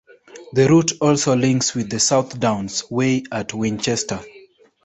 The route also links with the South Downs Way at Winchester.